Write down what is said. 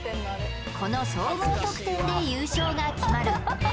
この総合得点で優勝が決まる